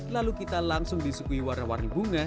lalu kita langsung disukui warna warni bunga